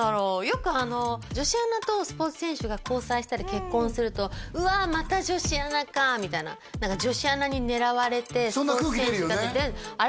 よく女子アナとスポーツ選手が交際したり結婚すると「うわまた女子アナか」みたいな何か女子アナに狙われてそんな空気出るよね